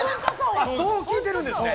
そう聞いてるんですね。